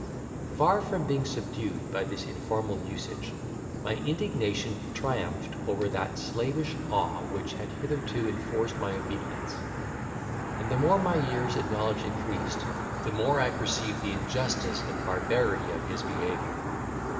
Far from being subdued by this informal usage, my indignation triumphed over that slavish awe which had hitherto enforced my obedience; and the more my years and knowledge increased, the more I perceived the injustice and barbarity of his behaviour.